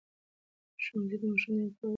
ښوونځی د ماشوم دویم کور دی.